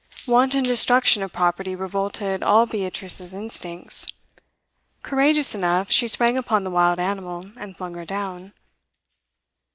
Wanton destruction of property revolted all Beatrice's instincts. Courageous enough, she sprang upon the wild animal, and flung her down.